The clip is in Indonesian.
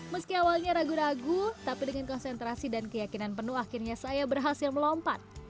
meski awalnya ragu ragu tapi dengan konsentrasi dan keyakinan penuh akhirnya saya berhasil melompat